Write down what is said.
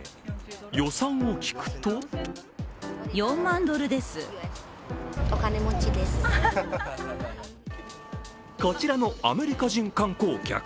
予算を聞くとこちらのアメリカ人観光客。